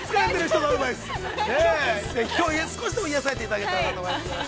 きょう少しでも、癒やされていただけたらと思います。